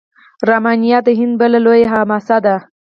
راماینا د هند بله لویه حماسه ده.